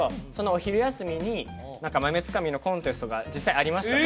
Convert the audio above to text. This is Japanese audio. お昼休みに豆つかみのコンテストが実際ありました